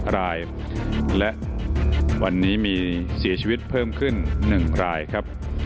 รายและวันนี้มีเสียชีวิตเพิ่มขึ้น๑รายครับ